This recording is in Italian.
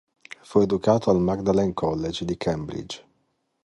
Fu educato al Magdalene College di Cambridge.